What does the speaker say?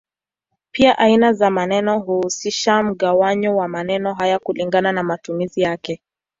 Pia aina za maneno huhusisha mgawanyo wa maneno hayo kulingana na matumizi yake.